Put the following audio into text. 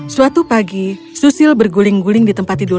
suatu pagi susil berguling guling di tempat tidur